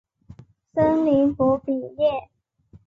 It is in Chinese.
森林博比耶。